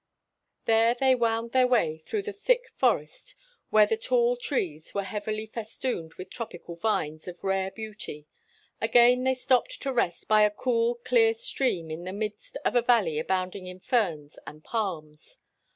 There they wound their way through the thick for est, where the tall trees were heavily fes tooned with tropical vines of rare beauty. Again, they stopped to rest by a cool, clear stream in the midst of a valley abounding in ferns and palms.